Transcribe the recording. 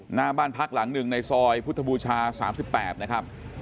หน้าบ้านพักหลังหนึ่งในซอยพุทธบูชา๓๘นะครับ